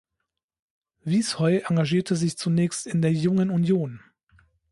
Wiesheu engagierte sich zunächst in der Jungen Union.